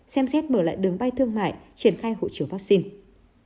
xem xét mở lại đường bay thương mại triển khai hộ chiếu vaccine